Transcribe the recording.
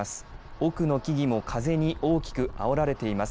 奥の木々も風に大きくあおられています。